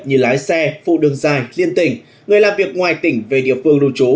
như lái xe phụ đường dài liên tỉnh người làm việc ngoài tỉnh về địa phương lưu trú